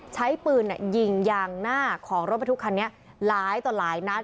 ใช้ปืนยิงยางหน้าของรถบรรทุกคันนี้หลายต่อหลายนัด